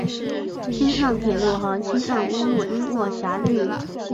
青藏铁路和青藏公路经过辖境。